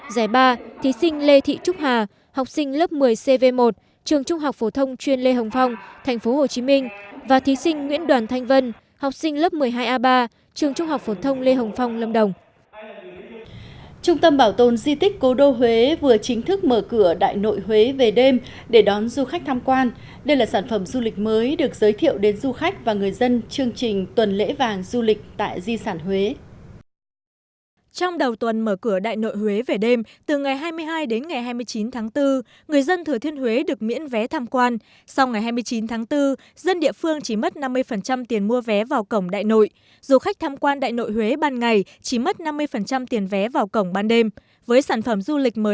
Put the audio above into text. giải ba thí sinh lê thị trúc hà học sinh lớp một mươi cv một trường trung học phổ thông chuyên lê hồng phong tp hcm và thí sinh nguyễn đoàn thanh vân học sinh lớp một mươi hai a ba trường trung học phổ thông lê hồng phong lâm đồng